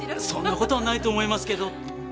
そんな事はないと思いますけど。